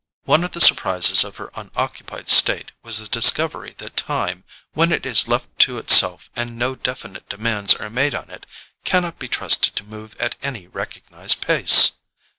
One of the surprises of her unoccupied state was the discovery that time, when it is left to itself and no definite demands are made on it, cannot be trusted to move at any recognized pace.